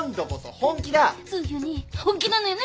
本気なのよね？